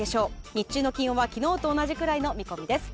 日中の気温は昨日と同じくらいの見込みです。